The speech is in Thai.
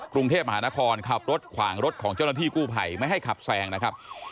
กรุงเทพมหานครขับรถขวางรถของเจ้าหน้าที่กู้ภัยไม่ให้ขับแซงนะครับ